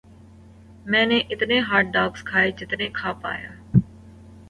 میں نے اتنے ہاٹ ڈاگز کھائیں جتنے میں کھا پایا